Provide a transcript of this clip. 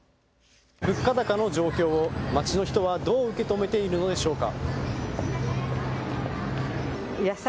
物価高の状況を街の人はどう受け止めているのでしょうか。